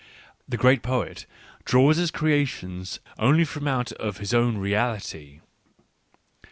The great poet draws his creations only from out of his own reality.